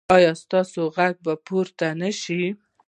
ایا ستاسو غږ به پورته نه شي؟